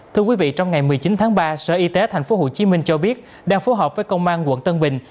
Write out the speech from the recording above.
thưa quý vị trong ngày một mươi chín tháng ba sở y tế tp hcm cho biết đang phối hợp với công an quận tân bình